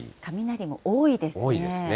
多いですね。